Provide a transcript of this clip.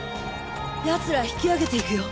奴ら引きあげていくよ！